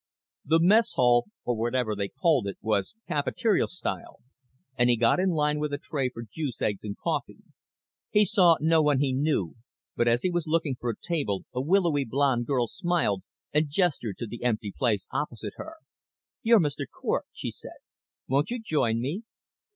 The mess hall, or whatever they called it, was cafeteria style and he got in line with a tray for juice, eggs and coffee. He saw no one he knew, but as he was looking for a table a willowy blonde girl smiled and gestured to the empty place opposite her. "You're Mr. Cort," she said. "Won't you join me?"